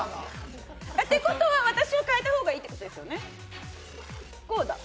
てことは私は変えた方がいいってことですよね。